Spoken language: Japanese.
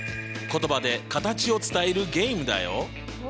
言葉で形を伝えるゲームだよ。